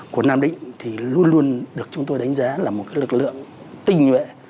của nam định thì luôn luôn được chúng tôi đánh giá là một lực lượng tinh nhuệ